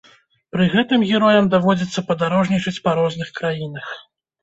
Пры гэтым героям даводзіцца падарожнічаць па розных краінах.